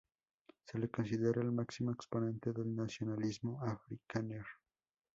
Se lo considera el máximo exponente del nacionalismo afrikáner.